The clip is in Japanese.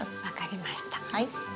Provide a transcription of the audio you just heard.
分かりました。